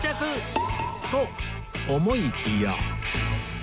と思いきや